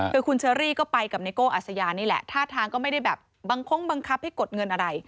คือคุณเชอรี่ก็ไปกับไนโก้อัสยานี่แหละท่าทางก็ไม่ได้แบบบังคงบังคับให้กดเงินอะไร